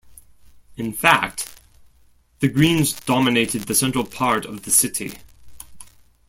In fact, the Greens dominated the central part of the city.